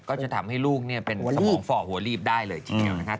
ก็จะทำให้ลูกเป็นสมองฝ่อหัวรีบได้เลยทีเดียวนะครับ